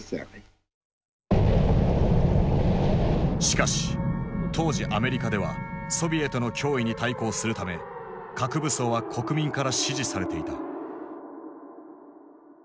しかし当時アメリカではソビエトの脅威に対抗するため核武装は国民から支持されていた。